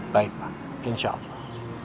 baik pak insya allah